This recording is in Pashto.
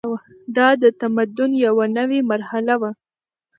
دا د تمدن یوه نوې مرحله وه.